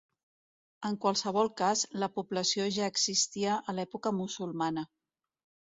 En qualsevol cas, la població ja existia a l'època musulmana.